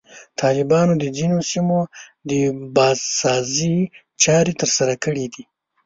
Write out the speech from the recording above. طالبانو د ځینو سیمو د بازسازي چارې ترسره کړي دي.